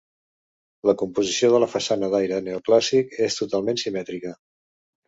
La composició de la façana, d'aire neoclàssic, és totalment simètrica.